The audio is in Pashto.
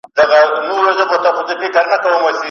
په امان دي له آفته چي په زړه کي مومنان دي